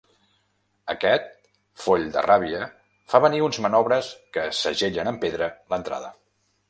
Aquest, foll de ràbia fa venir uns manobres que segellen amb pedra l'entrada.